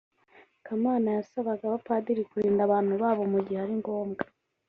kamana yasabaga abapadiri kurinda abantu babo mugihe ari ngombwa